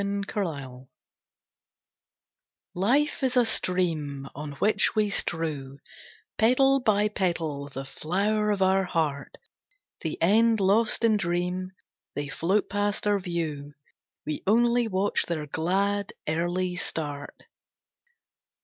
Petals Life is a stream On which we strew Petal by petal the flower of our heart; The end lost in dream, They float past our view, We only watch their glad, early start.